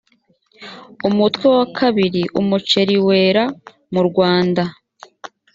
umutwe wa kabiri umuceri wera mu rwanda